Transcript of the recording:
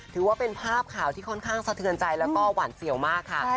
ถือว่าเป็นภาพข่าวที่ค่อนข้างสะเทือนใจแล้วก็หวานเสี่ยวมากค่ะ